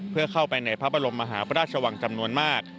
เพื่อเข้าไปในพระบรมมหาพระราชวังจำนวนมาก